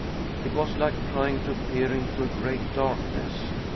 It was like trying to peer into a great darkness.